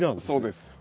そうです。